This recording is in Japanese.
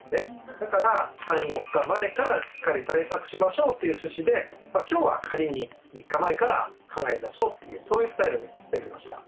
だから３４日前からしっかり対策しましょうっていう趣旨で今日は仮に３日前から考えましょうってそういうスタイルにしてみました。